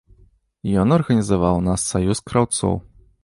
Ён арганізаваў у нас саюз краўцоў.